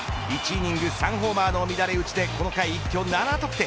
１イニング３ホーマーの乱れ打ちでこの回一挙７得点。